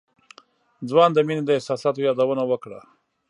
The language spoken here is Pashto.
ځوان د مينې د احساساتو يادونه وکړه.